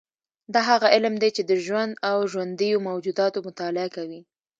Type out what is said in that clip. دا هغه علم دی چې د ژوند او ژوندیو موجوداتو مطالعه کوي